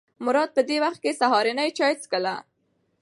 مراد په دې وخت کې سهارنۍ چای څښله.